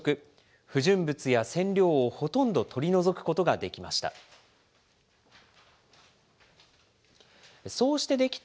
不純物や染料をほとんど取り除くことができました。